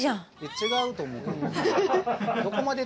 違うと思う。